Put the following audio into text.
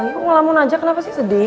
pagi kok ngelamun aja kenapa sih sedih